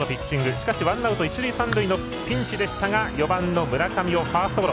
しかしワンアウト、一塁三塁のピンチでしたが４番村上をファーストゴロ。